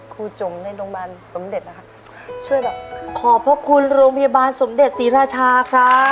คุณจุ๋มในโรงพยาบาลสมเด็จนะฮะช่วยแบบขอบพระคุณโรงพยาบาลสมเด็จศรีรชาค่ะ